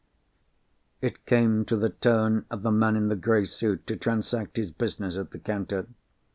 It came to the turn of the man in the grey suit to transact his business at the counter.